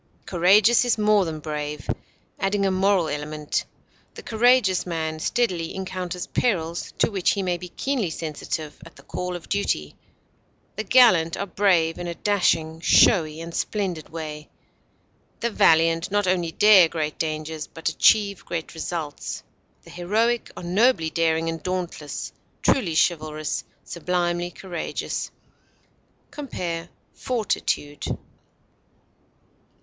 Courageous is more than brave, adding a moral element: the courageous man steadily encounters perils to which he may be keenly sensitive, at the call of duty; the gallant are brave in a dashing, showy, and splendid way; the valiant not only dare great dangers, but achieve great results; the heroic are nobly daring and dauntless, truly chivalrous, sublimely courageous. Compare FORTITUDE.